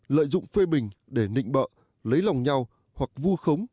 lợi dụng phê bình để nịnh bợ lấy lòng nhau hoặc vu khống